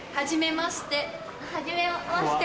はじめまして。